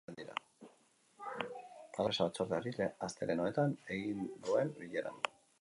Hala jakinarazi dio zuzendaritzak enpresa-batzordeari astelehen honetan egin duten bileran.